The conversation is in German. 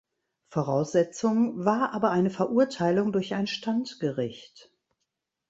Voraussetzung war aber eine Verurteilung durch ein Standgericht.